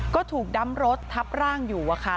ก็ถูกดำรถทับร่างอยู่อะค่ะ